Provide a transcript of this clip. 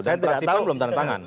dan tak siapa belum tanda tangan